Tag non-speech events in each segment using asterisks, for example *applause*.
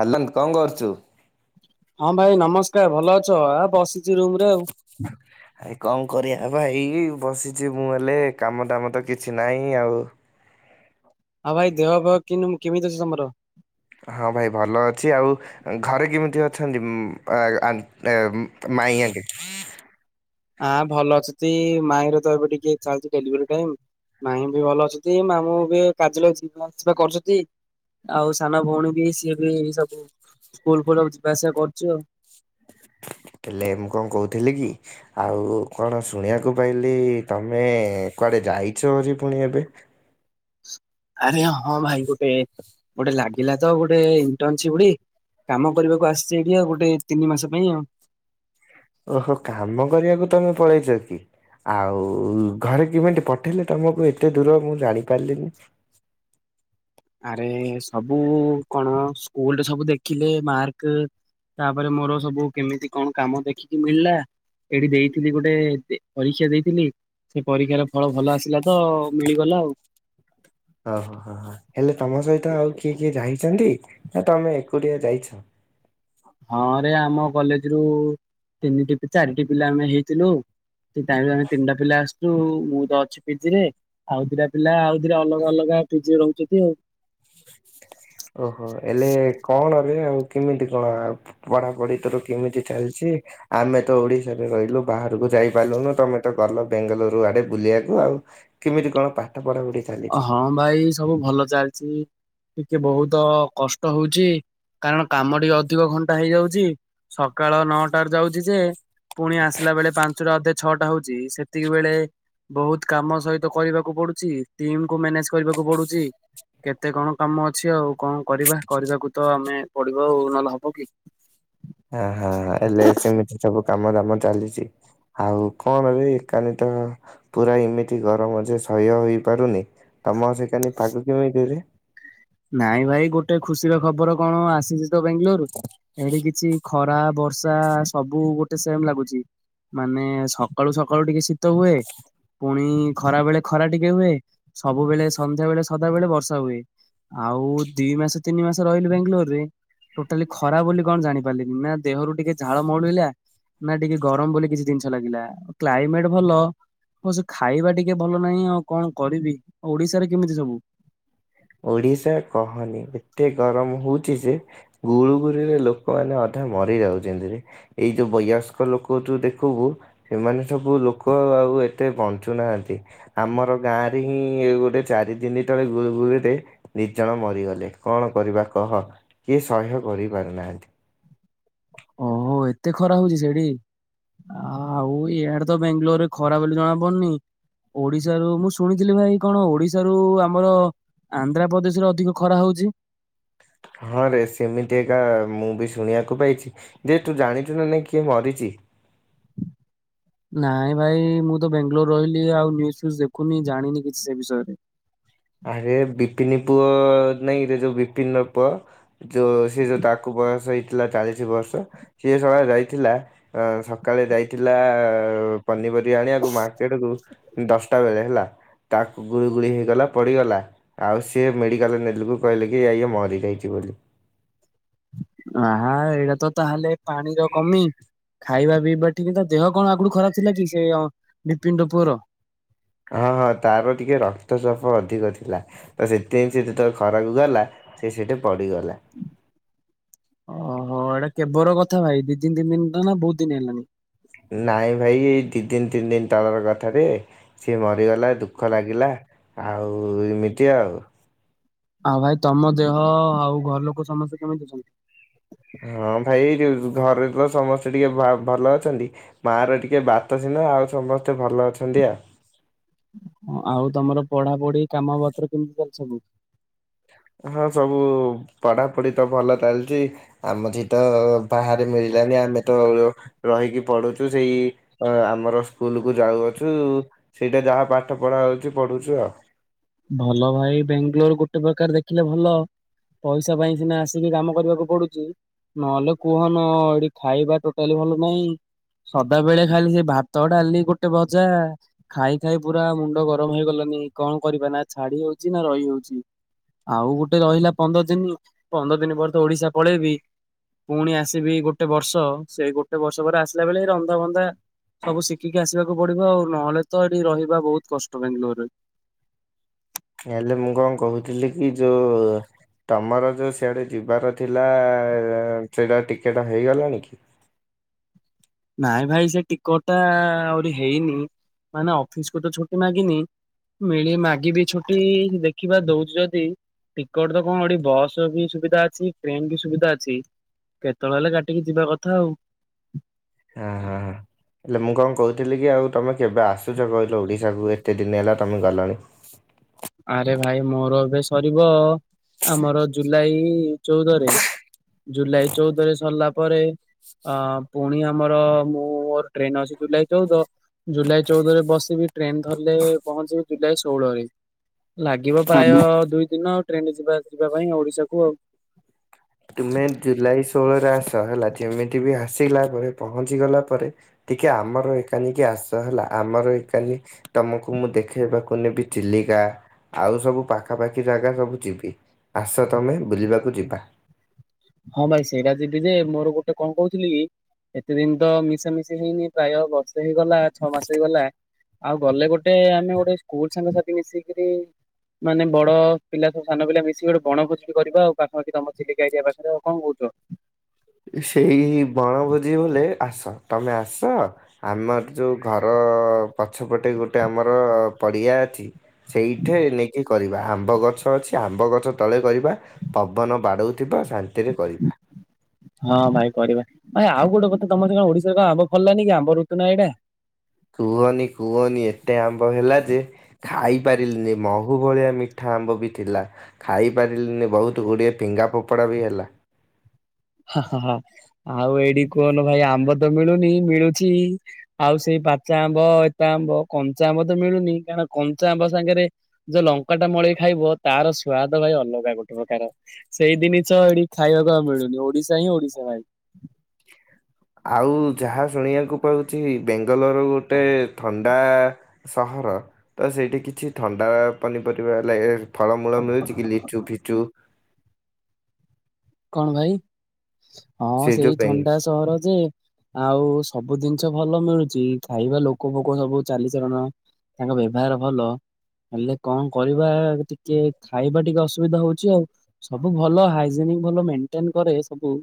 ହଲୋନ୍, କଣ କରୁଛୁ? ହଁ, ଭାଇ ନମସ୍କାର ଭଲ ଅଛ? ଆ ବସିଛି ରୁମ ରେ ଆଉ। *unintelligible* ଭାଇ କଣ କରିବା ଭାଇ ବସିଛି ମୁଁ ହେଲେ। କାମ ଦାମ ତ କିଛି ନାହିଁ ଆଉ। ଆଉ ଭାଇ ଦେହ ପେହ କିମୁ କେମିତି ଅଛି ତମର? ହଁ, ଭାଇ ଭଲ ଅଛି ଆଉ। ଘରେ କେମିତି ଅଛନ୍ତି। ଆ ଆ ମାଇ ଆ ହଁ, ଭଲ ଅଛନ୍ତି। ମାଇଁର ତ ଏବେ ଟିକେ ଚାଲିଛି ଡେଲିଭରି ଟାଇମ। ମାଇଁ ବି ଭଲ ଅଛନ୍ତି। ମାମୁଁ ବି କାର୍ଯ୍ୟ ଲଗ ଯିବା ଆସିବା କରୁଛନ୍ତି। ଆଉ ସାନ ଭଉଣୀ ବି ସିଏ ବି ସବୁ ସ୍କୁଲ ଫୁଲ୍ କୁ ଯିବାଆସିବା କରୁଛି ଆଉ। ହେଲେ, ମୁଁ କଣ କହୁଥିଲି କି? ଆଉ କଣ ଶୁଣିବାକୁ ପାଇଲି ତମେ କୁଆଡେ ଯାଇଛ ପୁରି ପୁଣି ଏବେ? ଆରେ ହଁ ଭାଇ ଗୋଟେ। ଗୋଟେ ଲାଗ ପିଲା ତ ଗୋଟେ ଇଣ୍ଟରନସିପେ କାମ କରିବାକୁ ଆସିଛି ଏଠି ଆଉ। ଗୋଟେ ତିନି ମାସ ପାଇଁ ଆଉ। ଓହୋ କାମ କରିବାକୁ ତମେ ପଳେଇଛ କି? ଆଉ ଘରେ କେମିତି ପଠେଇଲେ ତମକୁ ଏତେ ଦୂର ମୁଁ ଜାଣି ପାରିଲିନି। ଆରେ ସବୁ କଣ ସ୍କୁଲ ରେ ସବୁ ଦେଖିଲେ ମାର୍କ ତାପରେ ମୋର ସବୁ କେମିତି କଣ କାମ ଦେଖିକି ମିଳିଲା। ଏଠି ଦେଇଥିଲି ଗୋଟେ ପରୀକ୍ଷା ଦେଇଥିଲି। ସେ ପରୀକ୍ଷାର ଫଳ ଭଲ ଆସିଲା ତ ମିଳିଗଲା ଆଉ। ଓ ହୋ ହ ହ ହେଲେ ତମ ସହିତ ଆଉ କିଏ କିଏ ଯାଇଛନ୍ତି। ନା ତମେ ଏକୁଟିଆ ଯାଇଛ। ହଁରେ ଆମ କଲେଜ ରୁ ତିନିଟି ଚାରିଟି ପିଲା ଆମେ ହେଇଥିଲୁ। ସୋଇ ଆମେ ତିନିଟା ପିଲା ଆସିଛୁ ମୁଁ ତ ଅଛି ପିଜି ରେ। ଆଉଥରେ ପିଲା ଆଉରେ ଅଲଗା ଅଲଗା ପି ରହୁଛନ୍ତି ଆଉ। ଓହୋ ହେଲେ କଣ ରେ ଆଉ କେମିତି କଣ ଆଉ। ପଢା ପଢି ତର କେମିତି ଚାଲିଛି। ଆମେ ତ ଓଡିଶାରେ ରହିଲୁ ବାହାରକୁ ଯାଇପାରିଲୁନୁ ତମେ ତ ଗଲ ବେଙ୍ଗାଲୋରୁ ଆଡେ ବୁଲିବାକୁ ଆଉ। କେମିତି କଣ ପାଠ ପଢା ପଢି ଚାଲିଛି? ହଁ ଭାଇ ସବୁ ଭଲ ଚାଲିଛି। ଟିକେ ବହୁତ କଷ୍ଟ ହଉଛି କାରଣ କାମ ଟିକେ ଅଧିକ ଘଣ୍ଟା ହେଇଯାଉଛି। ସକାଳ ନଅଟାରେ ଯାଉଛି ଯେ ପୁଣି ଆସିଲା ବେଳେ ପାଞ୍ଚଟା ଅଧେ ଛଅଟା ହଉଛି ସେତିକି ବେଳେ ବହୁତ କାମ ସହିତ କରିବାକୁ ପଡୁଛି। ଟିମ୍ କୁ ମ୍ୟାନେଜ କରିବାକୁ ପଡୁଛି କେତେ କଣ କାମ ଅଛି ଆଉ। କଣ କରିବା କରିବାକୁ ତ ଆମେ ପଡିବ ନହେଲେ ହବ କି? ହ ହ ହେଲେ ସେମିତି ସବୁ କାମ ଦାମ ଚାଲିଛି। ଆଉ କଣରେ ଏକାନୀ ତ ପୁରା ଏମିତି ଗରମ ଯେ ସହ୍ୟ ହେଇପାରୁନି। ତମ ସେ କାନି ପାଖକୁ କେମି ଦେରେ? ନାଇଁ ଭାଇ ଗୋଟେ ଖୁସିର ଖବର କଣ ଆସିଛି ତ ବେଙ୍ଗାଲୋରୁ ଏଠି କିଛି ଖରା ବର୍ଷା ସବୁ ଗୋଟେ ସେମ ଲାଗୁଛି। ମାନେ ସକାଳୁ ସକାଳୁ ଟିକେ ଶୀତ ହୁଏ ପୁଣି ଖରା ବେଳେ ଖରା ଟିକେ ହୁଏ। ସବୁବେଳେ ସନ୍ଧ୍ୟା ବେଳେ ସଦାବେଳେ ବର୍ଷା ହୁଏ। ଆଉ ଦି ମାସ ତିନି ମାସ ରହିଲ ବାଙ୍ଗାଲୋର ରେ। ଟୋଟାଲି ଖରାପ ବୋଲି କଣ ଜାଣିପାରିଲିନି ନା ଦେହରୁ ଟିକେ ଝାଳ ମଉଳୁିଲା ନା ଟିକେ ଗରମ ବୋଲି କିଛି ଜିନିଷ ଲାଗିଲା କ୍ଲାଇମେଟ ଭଲ। ହଉ ସେ ଖାଇବା ଟିକେ ଭଲ ନାହିଁ ଆଉ କଣ କରିବି ଓଡିଶାରେ କେମିତି ସବୁ? ଓଡିଶା କହନି ଏତେ ଗରମ ହଉଚ ଯେ। ଗୁଳୁଗୁଳିରେ ଲୋକମାନେ ଅଧା ମରିଯାଉଛନ୍ତିରେ। ଏଇ ଯୋଉ ବୟସ୍କ ଲୋକ ଯୋଉ ଦେଖିବୁ ଏମାନେ ସବୁ ଲୋକ ଆଉ ଏତେ ବଞ୍ଚୁନାହାନ୍ତି। ଆମର ଗାଁ ରେ ହିଁ ଗୋଟେ ଚାରି ଦିନ ତଳେ ଗୁଳି ଗୁଳି ସେ ନିଜଣ ମରିଗଲେ କଣ କରିବା କହ କିଏ ସହ୍ୟ କରିପାରୁନାହାନ୍ତି। ଓହୋ ଏତେ ଖରା ହଉଛି ସେଇଠି? ଆ ଆଉ ଏଇଆଡେ ତ ବାଙ୍ଗାଲୋରରେ ଖରା ବୋଲି ଜଣା ପଡନି। ଓଡିଶାରୁ ମୁଁ ଶୁଣିଥିଲି ଭାଇ କଣ ଓଡିଶାରୁ ଆମର ଆନ୍ଧ୍ରପ୍ରଦେଶ ରେ ଅଧିକ ଖରା ହଉଛି। ହଁ ରେ ସେମିତି ଏକା ମୁଁ ବି ଶୁଣିବାକୁ ପାଇଚି ଯେ ତୁ ଜାଣିଚୁ ନା ନାଇଁ କିଏ ମରିଚି। ନାଇଁ ଭାଇ ମୁଁ ତ ବେଙ୍ଗାଲୋର ରହିଲି ଆଉ ନିୁଜ ଫୁଜ ଦେଖୁନି ଜାଣିନି କିଛି ସେ ବିଷୟରେ। ଆରେ ବିପିନି ପୁଅ ନାଇଁ ଏଇଟ ଯୋଉ ବିପିନ ର ପୁଅ। ଯୋଉ ସେ ଯୋଉ ତାକୁ ବୟସ ହେଇଥିଲା ଚାଳିଶ ବର୍ଷ ସେିଏ ସମୟଳେ ରହିଥିଲା- ଅ ସକାଳେ ଯାଇଥିଲା ପନିପରିବା ଆଣିବାକୁ ମାର୍କେଟ କୁ ଦଶଟା ବେଳେ ହେଲା ତାକୁ ଗୁଳି ଗୁଳି ହେଇଗଲା। ପଡ଼ିଗଲା ଆଉ ସିଏ ମେଡ଼ିକାଲରେ ନେଲେକୁ କହିଲେ କି ଇଏ ମରିଯାଇଛି ବୋଲି। ଆ ଏଇଟା ତ ତାହେଲେ ପାଣିର କମି। ଖାଇବା ପିଇବା ଠିକେ ତା ଦେହ କଣ ଆଗରୁ ଖରାପ ଥିଲା କି ସେ ବିପିନି ଟୋପୁଅର। ହଁ ହଁ ତାର ଟିକେ ରକ୍ତଚାପ ଅଧିକ ଥିଲା। ତ ସେଥିପାଇଁ ସେଯେତେବେଳେ ଖରାକୁ ଗଲା ସେସେଠି ପଡ଼ିଗଲା। ଓହୋ ଏଟା କେବର କଥା ଭାଇ ଦି ତିନି ତିନି ଦିନ ନା ବହୁତ୍ ଦିନି ହେଲାଣି? ନାଇଁ ଭାଇ ଦିଇ ଦିନି ତିନି ଦିନି ତଳର କଥାରେ ସିଏ ମରିଗଲା ଦୁଃଖ ଲାଗିଲା ଆଉ ଏମିତି ଆଉ। ଆଉ ଭାଇ ତମ ଦେହ ଆଉ ଘର ଲୋକ ସମସ୍ତେ କେମିତି ଅଛନ୍ତି? ହଁ ଭାଇ ଯୋଉ ଘରେତ ସମସ୍ତେ ଟିକେ ବା ଭଲ ଅଛନ୍ତି ମାଁର ଟିକେ ବାତ ସିହନା ଆଉ ସମସ୍ତେ ଭଲ ଅଛନ୍ତି ଆଉ। ହଁ ଆଉ ତମର ପଢ଼ାପଢ଼ି କାମ ପତ୍ର କେମିତି ଚାଲିଚି ସବୁ? ହଁ ସବୁ ପଢ଼ାପଢ଼ିତ ଭଲ ଚାଲିଚି। ଆମଠିତ ବାହାରେ ମିଳିଲାନି ଆମେତ ରହିକି ପଢ଼ୁଛୁ ସେଇ ଆମର ସ୍କୁଲକୁ ଯାଉଅଛୁ। ସେଇଟା ଯାହା ପାଠ ପଢ଼ା ହେଉଚି ପଢ଼ୁଚୁ ଆଉ। ଭଲ ଭାଇ ବାଙ୍ଗାଲୋର ଗୋଟେ ପ୍ରକାର ଦେଖିଲେ ଭଲ ପଇସା ପାଇଁ ସିନା ଆସିକି କାମ କରିବାକୁ ପଡ଼ୁଚି ନହେଲେ କୁହନ ଏଇଠି ଖାଇବା ଟୋଟାଲି ଭଲ ନାହିଁ ସଦାବେଳେ ଖାଲି ସେ ଭାତ ଡାଲି ଗୋଟେ ଭଜା ଖାଇ ଖାଇ ପୁରା ମୁଣ୍ଡ ଗରମ ହେଇଗଲାଣିି କଣ କରିବା ନା ଛାଡ଼ି ହଉଚି ନା ରହି ହଉଚି। ଆଉ ଗୋଟେ ରହିଲା ପନ୍ଦର ଦିନିରୁ ପନ୍ଦର ଦିନି ପରେତ ଓଡ଼ିଶା ପଳେଇବି ପୁଣି ଆସିବି ଗୋଟେ ବର୍ଷ ସେଇ ଗୋଟେ ବର୍ଷ ପରେ ଆସିଲା ବେଳେ ରନ୍ଧାବନ୍ଧା ସବୁ ଶିଖିକି ଆସିବାକୁ ପଡ଼ିବ ଆଉ ନହେଲେ ତ ଏଇଠି ରହିବା ବହୁତ୍ କଷ୍ଟ ବାେଙ୍ଗାଲୋରରେ। ହେଲେ ମୁଁ କଣ କହୁଥିଲିକି ଯୋଉ ତମର ଯୋଉ ସିଆଡ଼େ ଯିବାର ଥିଲା ସେଇଟା ଟିକେଟ ହେଇଗଲାଣି? ନାଇଁ ଭାଇ ସେ ଟିକଟଟା ଆହୁରି ହେଇନି ମାନେ ଅଫିସକୁତ ଛୁଟି ମାଗିନି ମିଳି ମାଗିବି ଛୁଟି ଦେଖିବା ଦଉଚନ୍ତି। ଟିକେଟତ କଣ ଏଠି ବସବି ସୁବିଧା ଅଛି ଟ୍ରେନବି ସୁବିଧା ଅଛି। କେତେଳେ ହେଲେ କାଟିକି ଯିବା କଥା ଆଉ। ହୁଁ ହୁଁ ହୁଁ। ହେଲେ ମୁଁ କଣ କହୁଥିଲିକି ଆଉ ତମେ କେବେ ଆସୁଚ କହିଲ ଓଡ଼ିଶାକୁ ଏତେ ଦିନ ହେଲା ତମେ ଗଲଣି? ଆରେ ଭାଇ ମୋର ଏବେ ସରିବ ଆମର ଜୁଲାଇ ଚଉଦରେ ଜୁଲାଇ ଚଉଦରେ ସରିଲା ପରେ ଅ ପୁଣି ଆମର ମୁଁ ମୋର ଟ୍ରେନ୍ ଅଛି ଜୁଲାଇ ଚଉଦ ଜୁଲାଇ ଚଉଦରେ ବସିବି ଟ୍ରେନ ଧରଲେ ପହଞ୍ଚିବି ଜୁଲାଇ ଷୋହଳରେ ଲାଗିବ ପ୍ରାୟ ଆଜ୍ଞା। ଦୁଇ ଦିନ ଆଉ ଟ୍ରେନ୍ ଯିବା ଆସିବା ପାଇଁ ଓଡ଼ିଶାକୁ ଆଉ। ତୁମେ ଜୁଲାଇ ଷୋହଳରେ ଆସ ହେଲା ଯେମିତିବି ଆସିଲା ପରେ ପହଞ୍ଚିଗଲା ପରେ ଟିକେ ଆମର ଏକାଲିକି ଆସ ହେଲା ଆମର ଏକାଲି ତମକୁ ମୁଁ ଦେଖେଇବାକୁ ନେବି ଚିଲିକା ଆଉ ସବୁ ପାଖାପାଖି ଜାଗା ସବୁ ଯିବି ଆସ ତମେ ବୁଲିବାକୁ ଯିବା। ହଁ ଭାଇ ସେଇଟା ଯିବିଯେ ମୋର ଗୋଟେ କଁ କହୁଥିଲିକି ଏତେ ଦିନିତ ମିଶାମିଶି ହେଇନି ପ୍ରାୟ ବର୍ଷେ ହେଇଗଲା ଛଅ ମାସ ହେଇଗଲା ଆଉ ଗଲେ ଗୋଟେ ଆମେ ଗୋଟେ ସ୍କୁଲ୍ ସାଙ୍ଗସାଥି ମିଶିକରି ମାନେ ବଡ଼ ପିଲା ସବୁ ସାନ ପିଲା ମିଶିଗୋଟେ ବଣ ଭୋଜିଟେ କରିବା ଆଉ ପାଖାପାଖି ତମ ଚିଲିକା ଏରିଆ ପାଖା ଆରେ ଆଉ କଁ କଉଚ। ସେଇ ବଣଭୋଜି ବଲେ ଆସ ତମେ ଆସ ଆମର ଯେଉଁ ଘର ପଛପଟେ ଗୋଟେ ଆମର ପଡ଼ିଆ ଅଛି ସେଇଠେ ନେଇକି କରିବା, ଆମ୍ବ ଗଛ ଅଛି ଆମ୍ବ ଗଛ ତଳେ କରିବା ପବନ ବାଡ଼ଉଥିବ ଶାନ୍ତି କରିବା। ହଁ ଭାଇ କରିବା, ଭାଇ ଆଉ ଗୋଟେ କଥା ତମର ଏଇନା ଓଡିଶା କୁ ଆମ୍ବ ଫଳିଲାନି କି ଆମ୍ବ ଋତୁ ନା ଏଇଟା। କୁହନି କୁହନି ଏତେ ଆମ୍ୱ ହେଲା ଯେ ଖାଇ ପାରିଲିନି, ମହୁ ଭଳିଆ ମିଠା ଆମ୍ବ ବି ଥିଲା। ଖାଇପାରିଲୁନି ବହୁତ ଗୁଡ଼ିଏ ଫିଙ୍ଗା ଫୋପଡ଼ା ବି ହେଲା। ଆଉ ଏଇଠି କୁହନ ଭାଇ ଆମ୍ବ ତ ମିଳୁନି ମିଳୁଛି ଆଉ ସେଇ ପାଚା ଆମ୍ବ ଏଇତା ଆମ୍ବ କଞ୍ଚା ଆମ୍ବ ତ ମିଳୁନି କାରଣ କଞ୍ଚା ଆମ୍ବ ସାଙ୍ଗରେ ଯୋଉ ଲଙ୍କା ଟା ମଡେଇ ଖାଇବ ତାର ସ୍ଵାଦ ଭାଇ ଅଲଗା ଗୋଟେ ପ୍ରକାର। ସେଇ ଜିନିଷ ଏଠି ଖାଇବାକୁ ଆଉ ମିଳୁନି, ଓଡିଶା ହିଁ ଓଡିଶା ଭାଇ। ଆଉ ଯାହା ଶୁଣିବାକୁ ପାଉଛି ବେଙ୍ଗାଲୋର ଗୋଟେ ଥଣ୍ଡା ସହର, ତ ସେଇଠି କିଛି ଥଣ୍ଡା ପନିପରିବା ଲା ଫଳମୂଳ ମିଳୁଛି କି ଲିଚୁ ଫିଚୁ। କଣ ଭାଇ? ହଁ ସେ ଯୋଉ ସେଇ ବେଙ୍ଗ ଥଣ୍ଡା ସହର ଯେ ଆଉ ସବୁ ଜିନିଷ ଭଲ ମିଳୁଛି, ଖାଇବା ଲୋକ ଫୋକ ସବୁ ଚାଲିଚଳନ ତାଙ୍କ ବ୍ୟବହାର ଭଲ। ହେଲେ କଣ କରିବା ଟିକେ ଖାଇବା ଟିକେ ଅସୁବିଧା ହଉଛି ଆଉ। ସବୁ ଭଲ, ହାଇଜିନିକ ଭଲ ମେଣ୍ଟେନ କରେ ସବୁ।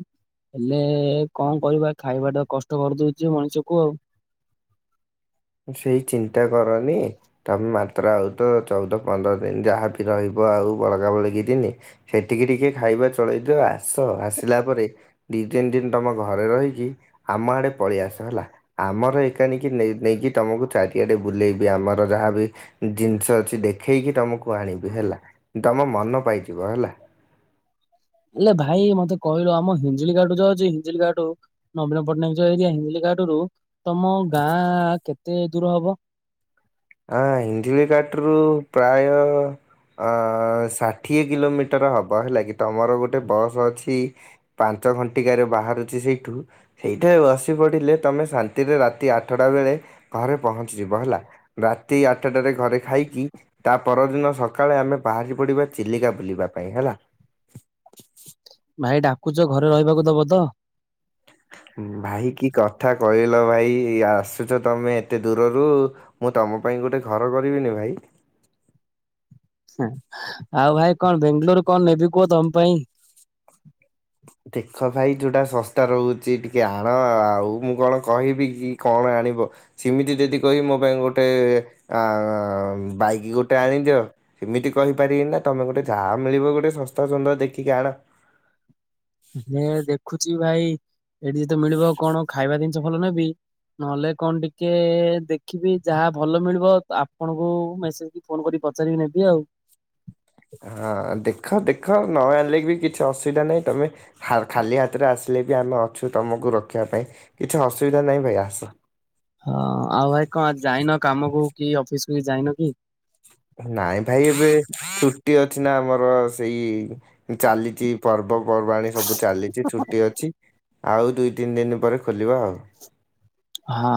ହେଲେ କଣ କରିବା, ଖାଇବାଟା କଷ୍ଟ କରିଦଉଛି ମଣିଷକୁ ଆଉ। ସେଇ ଚିନ୍ତା କରନି। ତମେ ମାତ୍ରା ଆଉ ତ ଚଉଦ ପନ୍ଦର ଦିନ ଯାହାବି ରହିବ ଆଉ ବଳକା ବଲକି ଦିନି ସେତିକି ଟିକେ ଖାଇବା ଚଳେଇଦିଅ ଆସ ଆସିଲା ପରେ ଦି ତିନି ଦିନ ତମ ଘରେ ରହିକି ଆମ ଆଡେ ପଳିଆସ ହେଲା ଆମର ଏକାନିକି ନେଇକି ତୁମକୁ ଚାରିଆଡ଼େ ବୁଲେଇବି। ଆମର ଯାହାବି ଜିନିଷ ଅଛି ଦେଖେଇକି ତମକୁ ଆଣିବି ହେଲା। ତମ ମନ ପାଇଯିବ ହେଲା। ହେଲେ ଭାଇ ମତେ କହିଲ ଆମ ହିଞ୍ଜଳି କାଟୁ ଯୋଉ ଅଛି ହିଞ୍ଜଳି କାଟୁ। ନବୀନ ପଟ୍ଟନାୟକ ଯୋଉ ଆଇଛି ହିଞ୍ଜିଳି କାଟରୁ ତମ ଗାଁ କେତେ ଦୂର ହବ? ଆ ହିଞ୍ଜିଳି କାଟରୁ ପ୍ରାୟ ଆ ଷାଠିଏ କିଲୋମିଟର ହେବ ହେଲା କି, ତମର ଗୋଟେ ବସ୍ ଅଛି। ପାଞ୍ଚ ଘଣ୍ଟିକାରେ ବାହାରୁଛି ସେଇଠୁ। ସେଇଥିରେ ବସି ପଡ଼ିଲେ ତମେ ଶାନ୍ତିରେ ରାତି ଆଠଟା ବେଳେ ଘରେ ପହଞ୍ଚିଯିବ ହେଲା। ରାତି ଆଠଟାରେ ଘରେ ଖାଇକି ତା ପରଦିନ ସକାଳେ ଆମେ ବାହାରି ପଡିବା ଚିଲିକା ବୁଲିବା ପାଇଁ ହେଲା। ଭାଇ ଡାକୁଛ, ଘରେ ରହିବାକୁ ଦବ ତ? ଭାଇ କି କଥା କହିଲ ଭାଇ, ଆସୁଛ ତମେ ଏତେ ଦୂରରୁ। ମୁଁ ତମ ପାଇଁ ଗୋଟେ ଘର କରିବିନି ଭାଇ। ଆଉ ଭାଇ, କଣ ବେଙ୍ଗାଲୋରରୁ କଣ ନେବି କୁହ ତମ ପାଇଁ? ଦେଖ ଭାଇ ଯୋଉଟା ଶସ୍ତା ରହୁଛି ଟିକେ ଆଣ ଆଉ। ମୁଁ କଣ କହିବି କି କଣ ଆଣିବ? ସେମିତି ଯଦି କହିବି, ମୋ ପାଇଁ ଗୋଟେ ଅ ବାଇକ୍ ଗୋଟେ ଆଣିଦିଅ। ସେମିତି କହିପାରିବିନି ନା, ତମେ ଗୋଟେ ଯାହା ମିଳିବ ଗୋଟେ ଶସ୍ତା ସୁନ୍ଦର ଦେଖିକି ଆଣ। ହେଲେ ଦେଖୁଛି ଭାଇ ଏଠି ଯଦି ମିଳିବ କଣ ଖାଇବା ଜିନିଷ ଭଲ ନେବି। ନହେଲେ କଣ ଟିକେ ଦେଖିବି ଯାହା ଭଲ ମିଳିବ ଆପଣଙ୍କୁ ମେସେଜ ଫୋନ କରିକି ପଚାରିକି ନେବି ଆଉ। ହଁ ଦେଖ ଦେଖ, ନ ଆଣିଲେ ବି କିଛି ଅସୁବିଧା ନାହିଁ ତମେ ଖାଲି ହାତରେ ଆସିଲେ ବି ଆମେ ଅଛୁ ତମକୁ ରଖିବା ପାଇଁ କିଛି ଅସୁବିଧା ନାହିଁ ଭାଇ ଆସ। ହଁ ଆଉ ଭାଇ କଣ ଯାଇନ କାମକୁ କି ଅଫିସକୁୁ କି ଯାଇନ କି? ନାଇଁ ଭାଇ ଏବେ ଛୁଟି ଅଛି ନା ଆମର ସେଇ ଚାଲିଛି ପର୍ବପର୍ବାଣି ସବୁ ଚାଲିଛି ଛୁଟି ଅଛି ଆଉ ଦୁଇ ତିନି ଦିନ ପରେ ଖୋଲିବା ଆଉ ହଁ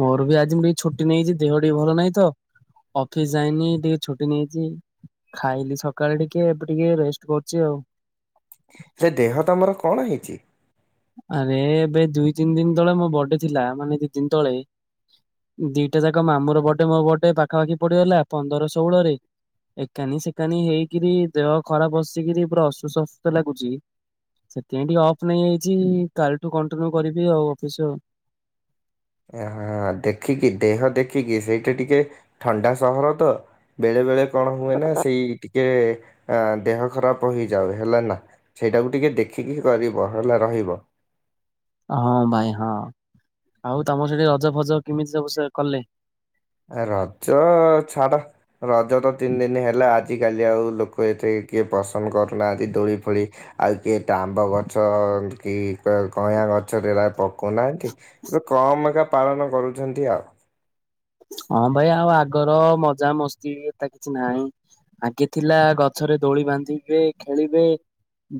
ମୋର ବି ଆଜି ମୁଁ ଟିକେ ଛୁଟି ନେଇଛି ଦେହ ଟିକେ ଭଲ ନାହିଁ ତ? ଅଫିସ ଯାଇନି ଟିକେ ଛୁଟି ନେଇଛି। ଖାଇଲି ସକାଳେ ଟିକେ ଏବେ ଟିକେ ରେଷ୍ଟ କରୁଛି ଆଉ ହେ ଦେହ ତୁମର କଣ ହେଇଛି? ଆରେ ଏବେ ଦିଇ ତିନି ଦିନ ତଳେ ମୋ ବର୍ଥଡେ ଥିଲା ମାନେ ଦି ଦିନ ତଳେ। ଦିଟା ଯାକ ମାମୁର ବଡେ ମୋ ବଡେ ପାଖାପାଖି ପଡିଗଲା ପନ୍ଦର ଷୋହଳରେ। ଏକାନି ସେକାନି ହେଇକିରି ଦେହ ଖରାପ ବସିକିରି ପୁରା ଅସୁସ୍ଥ ଅସୁସ୍ଥ ଲାଗୁଛି। ସେଥିପାଇଁ ଟିକେ ଅଫ୍ ନେଇଯାଇଛି କାଲିଠୁ କଣ୍ଟିନ୍ୟୁ କରିବି ଆଉ ଅଫିସ ଆଉ ହଁ ଦେଖିକି ଦେହ ଦେଖିକି ସେଇଟା ଟିକେ ଥଣ୍ଡା ସହର ତ ବେଳେ ବେଳେ କଣ ହୁଏ ନା ସେଇ ଟିକେ ଦେହ ଖରାପ ହୋଇଯାଉ ହେଲା ନା ସେଇଟାକୁ ଟିକଏ ଦେଖିକି କରିବ ହେଲା ରହିବ। ହଁ ଭାଇ ହଁ ଆଉ ତମ ସେଠି ରଜ ଫଜ କେମିତି ସବୁ ସେ କଲେ? ଆ ରଜ ଛାଡ। ରଜ ତ ତିନି ଦିନ ହେଲା ଆଜିିକାଲି ଆଉ ଲୋକ ଏତେ କିଏ ପସନ୍ଦ କରୁନା ଆଜି ଦୋଳି ଫୋଳି। ଆଉ କିଏ ତା ଆମ୍ବ ଗଛ କି କଇଁ ଗଛଟା ପକଉନାହାନ୍ତି। ଏବେ କମ ଏକା ପାଳନ କରୁଛନ୍ତି ଆଉ ହଁ ଭାଇ ଆଉ ଆଗର ମଜା ମସ୍ତି ଏ କିଛି ନାହିଁ। ଆଗେ ଥିଲା ଗଛରେ ଦୋଳି ବାନ୍ଧିବେ ଖେଳିବେ।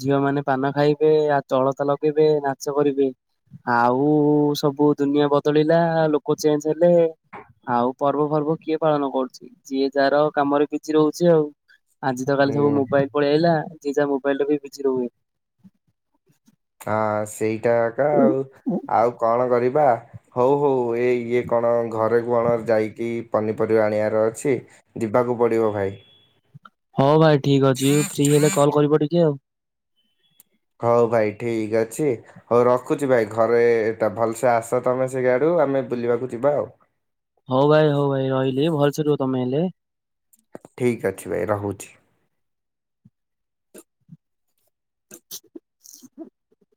ଝିଅ ମାନେ ପାନ ଖାଇବେ ଆ ଅଳତା ଲଗେଇବେ ନାଚ କରିବେ? ଆଉ ସବୁ ଦୁନିଆ ବଦଳିଲା ଲୋକ ଚେଞ୍ଜ ହେଲେ। ଆଉ ପର୍ବ ପର୍ବ କିଏ ପାଳନ କରୁଛି ଯିଏ ଯାହାର କାମରେ ବିଜି ରହୁଛି ଆଉ ଆଜି ତ କାଲି ସବୁ ହୁଁ। ମୋବାଇଲ ପଳେଇ ଆଇଲା ଯିଏ ଯାହା ମୋବାଇଲରେ ବିଜି ରହୁଛନ୍ତି ଆଉ। ହଁ ସେଇଟା ଏକା ଆଉ ଆଉ କଣ କରିବା? ହଉ ହଉ ଏ ଇଏ କଣ ଘରେ କଣ ଯାଇକି ପନିପରିବା ଆଣିବାର ଅଛି। ଜିବାକୁ ପଡ଼ିବ ଭାଇ ହଉ ଭାଇ ଠିକ୍ ଅଛି ଫ୍ରି ହେଲେ କଲ୍ କରିବ ଟିକେ ଆଉ ହଉ ଭାଇ ଠିକ୍ ଅଛି। ହଉ ରଖୁଛି ଭାଇ ଘରେଟା ଭଲସେ ଆସ ତମେ ସେଇ ଆଡୁ ଆମେ ବିଲକୁ ଯିବା ଆଉ ହଉ ଭାଇ ହଉ ଭାଇ ରହିଲି ଭଲସେ ରୁହ ତମେ ହେଲେ। ଠିକ ଅଛି ଭାଇ ରହୁଛି। *unintelligible*